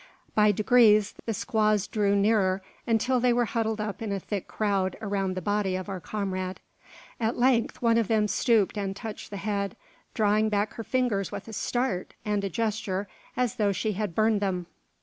By degrees, the squaws drew nearer, until they were huddled up in a thick crowd around the body of our comrade. At length one of them stooped and touched the head, drawing back her fingers with a start and a gesture, as though she had burned them.